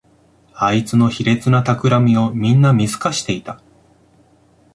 あいつの卑劣なたくらみをみんな見透かしていた